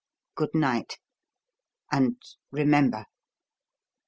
Good night, and remember!"